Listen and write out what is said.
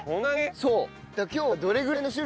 そう。